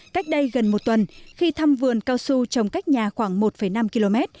cách đây gần một tuần khi thăm vườn cao su trồng cách nhà khoảng một năm km